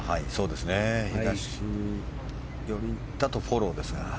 東寄りだとフォローですが。